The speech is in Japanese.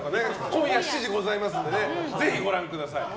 今夜７時ございますんでぜひご覧ください。